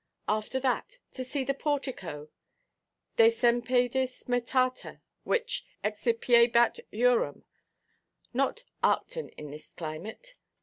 After that, to see the portico, "decempedis metata," which "excipiebat Eurum"—not Arcton in this climate.